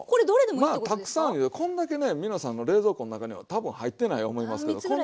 まあたくさんいうてこんだけね皆さんの冷蔵庫の中には多分入ってない思いますけど。